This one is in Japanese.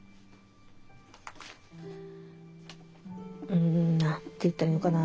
うん何て言ったらいいのかな。